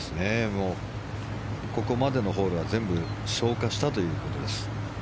もうここまでのホールは全部消化したということです。